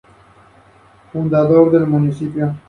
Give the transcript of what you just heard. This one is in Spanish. Fundador del municipio.